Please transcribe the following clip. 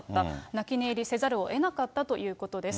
泣き寝入りせざるをえなかったということです。